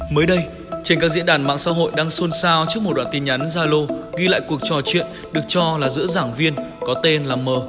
mới đây trên các diễn đàn mạng xã hội đang xôn xao trước một đoạn tin nhắn gia lô ghi lại cuộc trò chuyện được cho là giữa giảng viên có tên là m